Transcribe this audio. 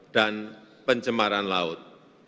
dan pencemaran laut